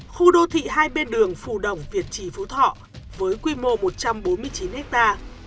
khu đô thị hai bên đường phù đồng việt trì phú thọ với quy mô một trăm bốn mươi chín hectare